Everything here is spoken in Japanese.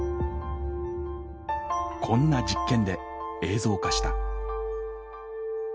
こんな実験で映像化した。